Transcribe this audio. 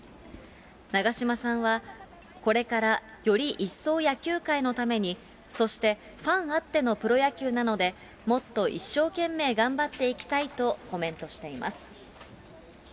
長嶋さんは、これからより一層野球界のために、そしてファンあってのプロ野球なので、もっと一生懸命頑張っていきたいとコメントしています。